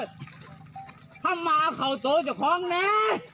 ถ้ามาเขาโตของแน่